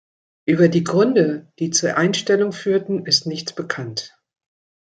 Über die Gründe, die zur Einstellung führten, ist nichts bekannt.